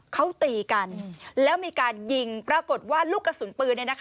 เขาตีกันแล้วมีการยิงปรากฏว่าลูกกระสุนปืน